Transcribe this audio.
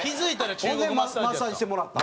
ほんでマッサージしてもらったん？